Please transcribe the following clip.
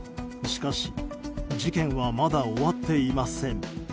しかし、事件はまだ終わっていません。